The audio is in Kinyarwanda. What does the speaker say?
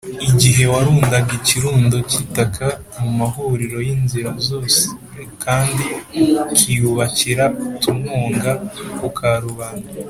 Igihe warundaga ikirundo cy itaka mu mahuriro y inzira zose kandi ukiyubakira utununga ku karubanda